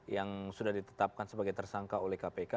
yang sudah ditetapkan sebagai tersangka oleh kpk